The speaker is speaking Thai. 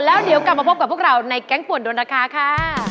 แล้วเดี๋ยวกลับมาพบกับพวกเราในแก๊งป่วนดวนราคาค่ะ